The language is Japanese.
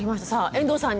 遠藤さん